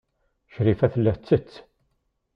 Crifa tella tettett.